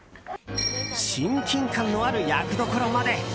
親近感のある役どころまで。